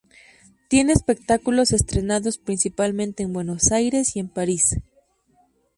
Tiene espectáculos estrenados principalmente en Buenos Aires y en París.